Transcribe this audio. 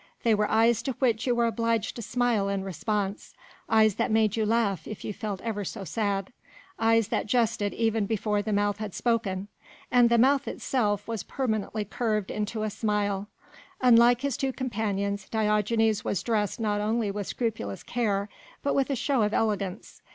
They were eyes to which you were obliged to smile in response, eyes that made you laugh if you felt ever so sad, eyes that jested even before the mouth had spoken, and the mouth itself was permanently curved into a smile. Unlike his two companions, Diogenes was dressed not only with scrupulous care but with a show of elegance.